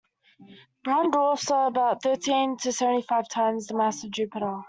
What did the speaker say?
Brown dwarfs are about thirteen to seventy-five times the mass of Jupiter.